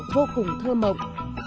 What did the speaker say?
vô cùng thơ mộng